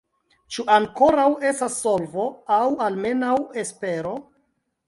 Ĉu ankoraŭ estas solvo, aŭ almenaŭ espero?